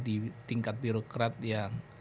di tingkat birokrat yang